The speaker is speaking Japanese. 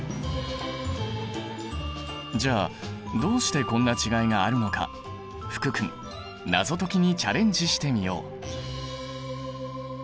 じゃあどうしてこんな違いがあるのか福君謎解きにチャレンジしてみよう。